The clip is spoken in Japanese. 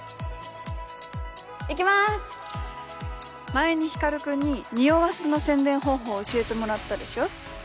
前に光君ににおわせの宣伝方法を教えてもらったでしょ？